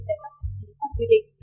để bắt đầu chính thức quy định